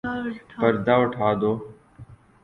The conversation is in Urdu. پردہ اٹھادو